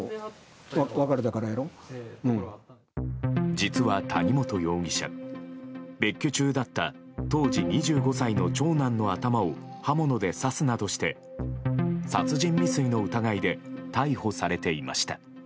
実は谷本容疑者別居中だった当時２５歳の長男の頭を刃物で刺すなどして殺人未遂の疑いで逮捕されていました。